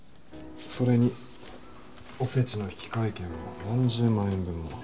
それにおせちの引換券も何十万円分も。